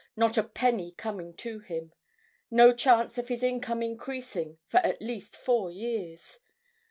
Not a penny coming to him. No chance of his income increasing for at least four years.